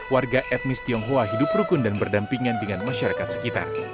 warga etnis tionghoa hidup rukun dan berdampingan dengan masyarakat sekitar